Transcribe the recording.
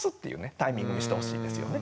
タイミングにしてほしいんですよね。